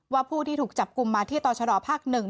ว่าผู้ที่ถูกจับกลุ่มมาที่ต่อชะดอภักดิ์หนึ่ง